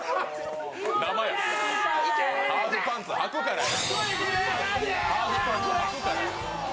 生やハーフパンツはくからや。